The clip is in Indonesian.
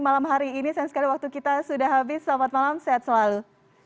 semoga hari ini waktu kita sudah habis selamat malam dan sehat selalu